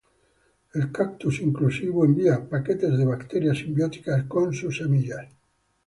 El cactus incluso envía paquetes de bacterias simbióticas con sus semillas.